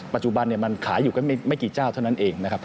ปัจจุบันมันขายอยู่กับไม่กี่เจ้าเท่านั้นเอง